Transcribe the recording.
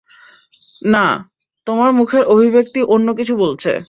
না, তোমার মুখের অভিব্যক্তি অন্যকিছু বলছে!